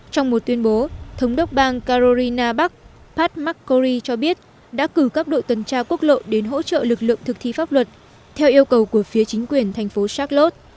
trong một tuyên bố thống đốc bang carolina bắc pat markorri cho biết đã cử các đội tuần tra quốc lộ đến hỗ trợ lực lượng thực thi pháp luật theo yêu cầu của phía chính quyền thành phố charles